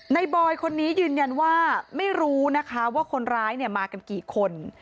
บอยคนนี้ยืนยันว่าไม่รู้นะคะว่าคนร้ายมากันกี่คน